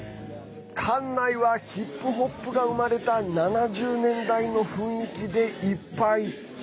館内は、ヒップホップが生まれた７０年代の雰囲気でいっぱい。